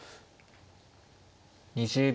２０秒。